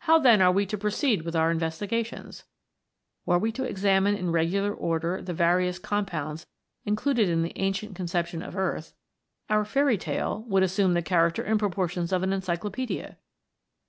How, then, are we to proceed with our investiga tions 1 Were we to examine in regular order the various compounds included in the ancient concep tion of earth, our fairy tale would assume the character and proportions of an encyclopaedia.